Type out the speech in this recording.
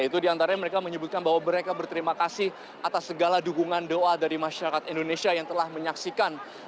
itu diantaranya mereka menyebutkan bahwa mereka berterima kasih atas segala dukungan doa dari masyarakat indonesia yang telah menyaksikan